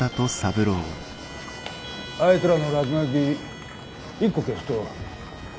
あいつらの落書き１個消すと５銭。